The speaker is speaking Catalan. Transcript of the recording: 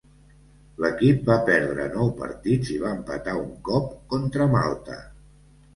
L'equip va perdre nou partits i va empatar un cop contra Malta.